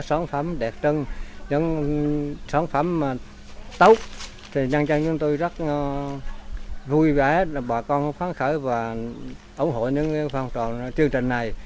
sản phẩm tốt nhân dân như tôi rất vui vẻ bà con phán khởi và ủng hộ những phong trọng chương trình này